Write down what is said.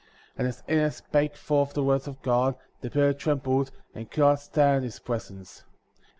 47. And as Enoch spake forth the words of God, the people trembled, and could not stand in his presence.